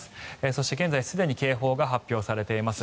そして現在すでに警報が発表されています。